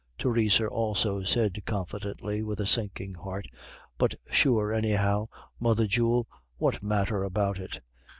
Theresa also said confidently with a sinking heart, "But sure, anyhow, mother jewel, what matter about it?